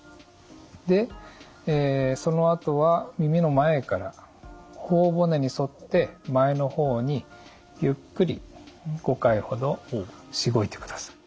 でそのあとは耳の前から頬骨に沿って前の方にゆっくり５回ほどしごいてください。